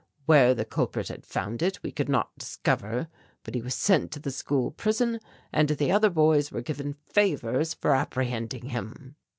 Where the culprit had found it we could not discover but he was sent to the school prison and the other boys were given favours for apprehending him."